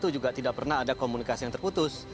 juga tidak pernah ada komunikasi yang terputus